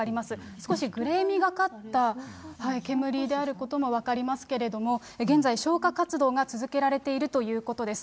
少しグレーみがかった煙であることも分かりますけれども、現在、消火活動が続けられているということです。